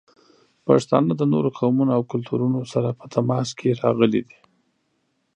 پښتانه د نورو قومونو او کلتورونو سره په تماس کې راغلي دي.